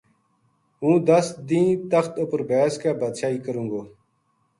ہوں دَس دیہنہ تخت اُپر بیس کے بادشاہی کروں گو